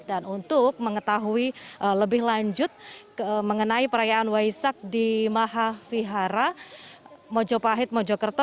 dan untuk mengetahui lebih lanjut mengenai perayaan waisak di mahavihara mojo pahit mojo kerto